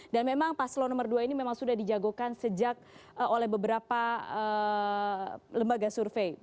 dan memang paslon nomor dua ini memang sudah dijagokan sejak oleh beberapa lembaga survei